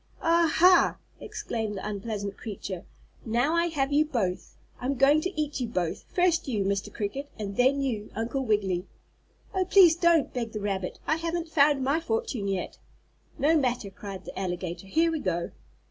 "Ah, ha!" exclaimed the unpleasant creature. "Now I have you both. I'm going to eat you both, first you, Mr. Cricket, and then you, Uncle Wiggily." "Oh, please don't," begged the rabbit. "I haven't found my fortune yet." "No matter," cried the alligator, "here we go!"